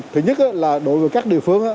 thứ nhất là đối với các địa phương